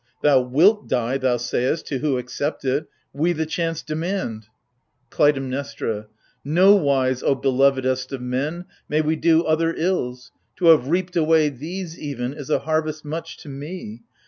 Thou wilt die, thou say'st, to who accept it. We the chance demand ! AGAMEMNON. 145 KLUTAIMNESTRA. Nowise, O belovedest of men, may we do other ills! To have reaped away these, even, is a harvest much to me